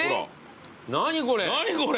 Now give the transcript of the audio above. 何これ！